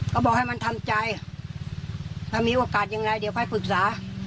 ก็บอกให้มันทำใจถ้ามีโอกาสยังไงเดี๋ยวค่อยปรึกษา